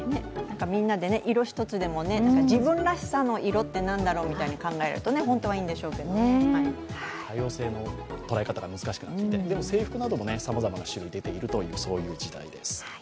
みんなで色一つでも自分らしさの色って何だろうみたいに多様性の捉え方難しくなって、でも制服などもさまざまな種類も出ているという時代です。